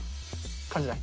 感じない？